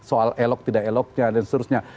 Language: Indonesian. soal elok tidak eloknya dan seterusnya